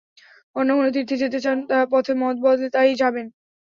অন্য কোনো তীর্থে যেতে চান, পথে মত বদলে তাই যাবেন।